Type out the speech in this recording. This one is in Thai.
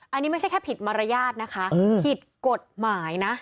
อันนี้ไม่ใช่แค่ผิดมารยาทนะคะผิดกฎหมายนะ